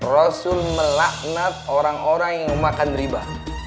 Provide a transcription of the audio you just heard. rasul melaknat orang orang yang memakan riba